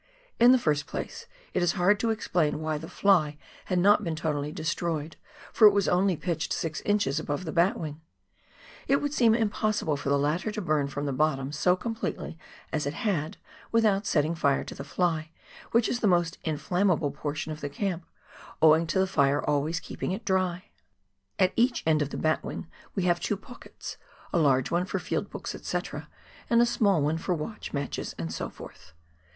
In the first place it is hard to explain why the fly had not been totally destroyed, for it was only pitched six inches above the batwing ; it would seem impossible for the latter to burn from the bottom so completely as it had without setting fire to the fly, which is the most inflammable portion of the camp, owing to the fire always keeping it drj'. At each end of the batwing we have two pockets, a large one for field books, &c., and a small one for watch, matches, and so forth.